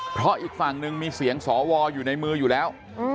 เพราะอีกฝั่งหนึ่งมีเสียงสวอยู่ในมืออยู่แล้ว